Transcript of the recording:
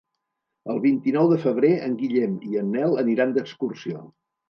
El vint-i-nou de febrer en Guillem i en Nel aniran d'excursió.